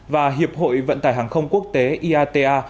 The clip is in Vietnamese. và hiệp hội vận tải hàng không quốc tế iata